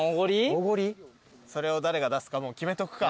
それを誰が出すかもう決めておくか。